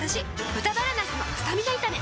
「豚バラなすのスタミナ炒め」